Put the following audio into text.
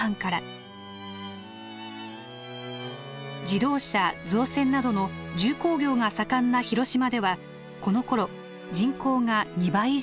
自動車造船などの重工業が盛んな広島ではこのころ人口が２倍以上に。